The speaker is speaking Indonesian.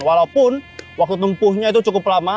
walaupun waktu tempuhnya itu cukup lama